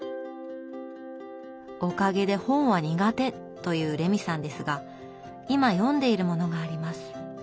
おかげで本は苦手というレミさんですが今読んでいるものがあります。